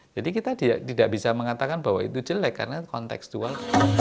jadi kita tidak bisa mengatakan bahwa itu jelek karena konteks dual